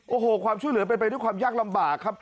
โอ้โหความช่วยเหลือเป็นไปด้วยความยากลำบากครับ